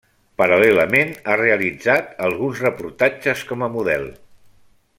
Paral·lelament ha realitzat alguns reportatges com a model.